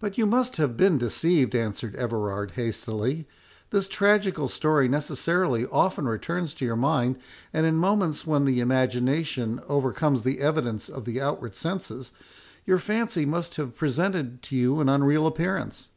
"But you must have been deceived," answered Everard, hastily; "this tragical story necessarily often returns to your mind, and in moments when the imagination overcomes the evidence of the outward senses, your fancy must have presented to you an unreal appearance.